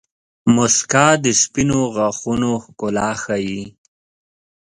• مسکا د سپینو غاښونو ښکلا ښيي.